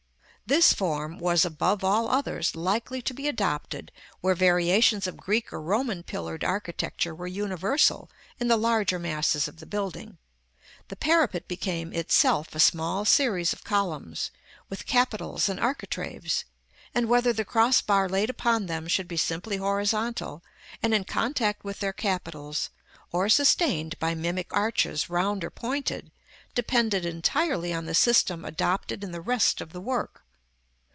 This form was, above all others, likely to be adopted where variations of Greek or Roman pillared architecture were universal in the larger masses of the building; the parapet became itself a small series of columns, with capitals and architraves; and whether the cross bar laid upon them should be simply horizontal, and in contact with their capitals, or sustained by mimic arches, round or pointed, depended entirely on the system adopted in the rest of the work.